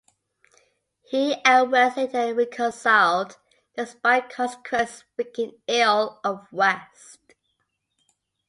He and West later reconciled, despite Consequence speaking ill of West.